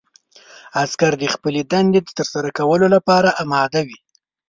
عسکر د خپلې دندې ترسره کولو لپاره اماده وي.